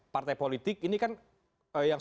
partai politik ini kan yang